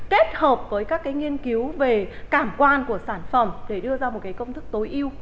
kết hợp với các nghiên cứu về cảm quan của sản phẩm để đưa ra một công thức tối ưu